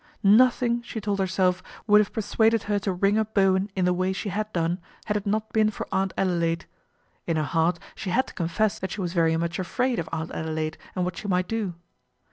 Nothing, she told herself, would have persuaded ter to ring up Bowen in tlie way she had done, id it not been for Aunt Adelaide. In her heart te had to confess that she was very much afraid >f Aunt Adelaide and what she might do.